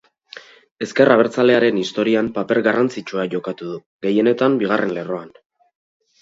Ezker abertzalearen historian paper garrantzitsua jokatu du, gehienetan bigarren lerroan.